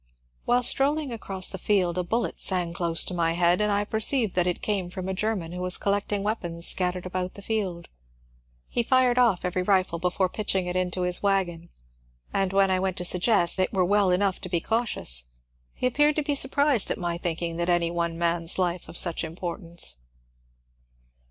While strolling across the field a ballet sang close to my head, and I perceived that it came from a German who was collecting weapons scattered about the field . He fired off every rifle before pitching it into his wagon, and when I went to suggest that it were well enough to be cautious, he appeared to be surprised at my thinking any one man's life of such importance.